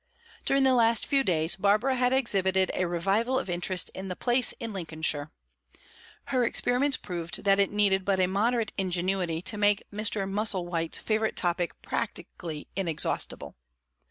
During the last few days, Barbara had exhibited a revival of interest in the "place in Lincolnshire." Her experiments proved that it needed but a moderate ingenuity to make Mr. Musselwhite's favourite topic practically inexhaustible.